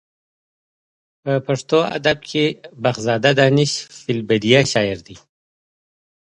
په پښتو ادب کې بخزاده دانش فې البدیه شاعر دی.